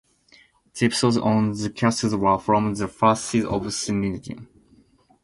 The episodes on the cassettes were from the first season of syndication.